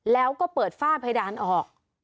แล้วก็เปิดฝ้าเพดานออก